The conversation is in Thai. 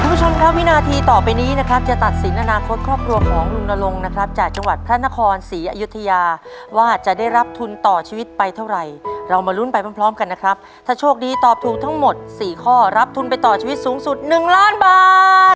คุณผู้ชมครับวินาทีต่อไปนี้นะครับจะตัดสินอนาคตครอบครัวของลุงนรงค์นะครับจากจังหวัดพระนครศรีอยุธยาว่าจะได้รับทุนต่อชีวิตไปเท่าไหร่เรามาลุ้นไปพร้อมพร้อมกันนะครับถ้าโชคดีตอบถูกทั้งหมดสี่ข้อรับทุนไปต่อชีวิตสูงสุดหนึ่งล้านบาท